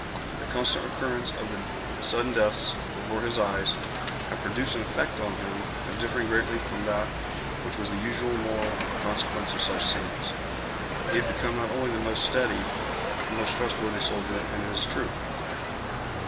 The constant recurrence of sudden deaths before his eyes had produced an effect on him differing greatly from that which was the usual moral consequence of such scenes; and he had become not only the most steady, but the most trustworthy soldier in his troop.